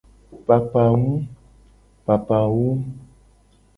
Papawum.